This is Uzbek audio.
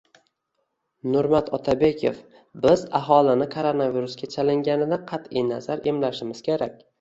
Nurmat Otabekov: “Biz aholini koronavirusga chalinganligidan qat’i nazar emlashimiz kerak”